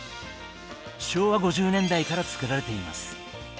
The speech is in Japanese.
昭和５０年代から作られています。